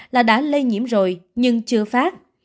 là đã lây nhiễm rồi nhưng chưa phát